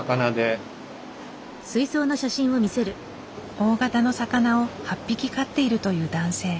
大型の魚を８匹飼っているという男性。